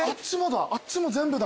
あっちも全部だ。